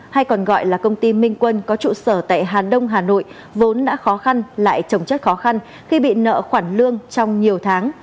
hay còn gọi là công ty minh quân có trụ sở tại hàn đông hà nội vốn đã khó khăn lại trồng chất khó khăn khi bị nợ khoản lương trong nhiều tháng